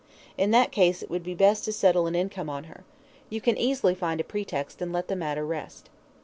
In that case, it would be best to settle an income on her. You can easily find a pretext, and let the matter rest."